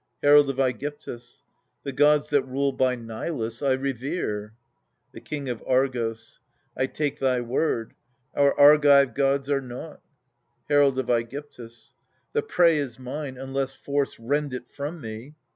Herald of ^gyptus. The gods that rule by Nilus I revere. The King of Argos. I take thy word : our Argive gods are nought ! Herald of ^gyptus. The prey is mine, unless force rend it from me.